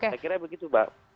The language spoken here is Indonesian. saya kira begitu pak